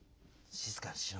静かにしろ。